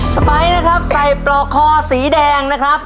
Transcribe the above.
สไปด์ใส่ปลอคอสีแดงนะครับ